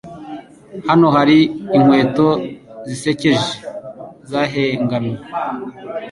Hano hari inkweto zisekeje zahengamye